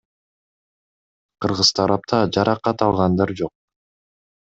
Кыргыз тарапта жаракат алгандар жок.